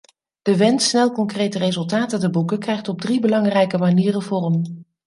De wens snel concrete resultaten te boeken krijgt op drie belangrijke manieren vorm.